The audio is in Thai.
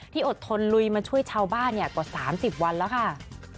อดทนลุยมาช่วยชาวบ้านกว่า๓๐วันแล้วค่ะ